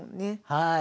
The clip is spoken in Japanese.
はい。